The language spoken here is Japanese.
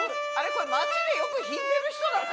これ街でよく弾いてる人。